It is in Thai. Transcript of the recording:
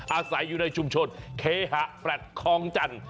อาศัยอยู่ในชุมชนเคหะแฟลต์คลองจันทร์